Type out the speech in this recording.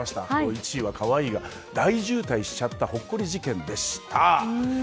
１位は可愛いが大渋滞しちゃったほっこり事件でした。